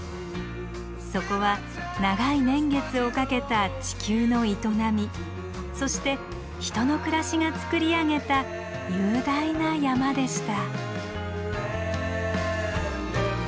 そこは長い年月をかけた地球の営みそして人の暮らしがつくり上げた雄大な山でした。